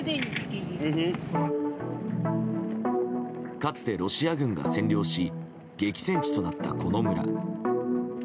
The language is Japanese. かつて、ロシア軍が占領し激戦地となったこの村。